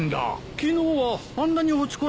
昨日はあんなに落ち込んでたのに。